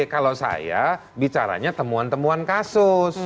kalau saya bicaranya temuan temuan kasus